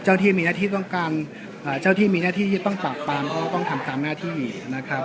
ที่มีหน้าที่ต้องการเจ้าที่มีหน้าที่ที่ต้องปราบปรามก็ต้องทำตามหน้าที่นะครับ